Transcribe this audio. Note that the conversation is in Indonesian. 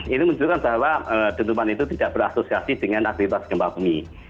ini menunjukkan bahwa dentuman itu tidak berasosiasi dengan aktivitas gempa bumi